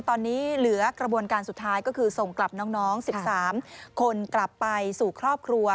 ตอนนี้เหลือกระบวนการสุดท้ายก็คือส่งกลับน้อง๑๓คนกลับไปสู่ครอบครัว